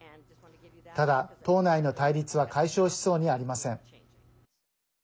ただ、党内の対立は解消しそうにありません。